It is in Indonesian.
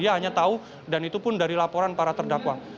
dia hanya tahu dan itu pun dari laporan para terdakwa